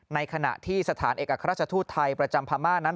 ในขณะที่สถานเอกราชทูตไทยประจำพม่านั้น